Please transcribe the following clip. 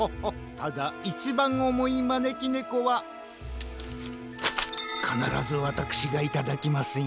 ただいちばんおもいまねきねこはかならずわたくしがいただきますよ。